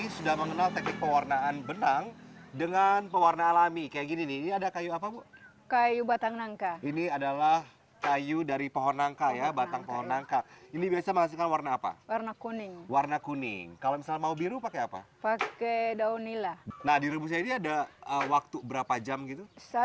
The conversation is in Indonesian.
semakin lama maka akan warnanya semakin pekat